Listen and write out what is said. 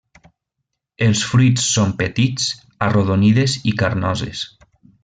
Els fruits són petits, arrodonides i carnoses.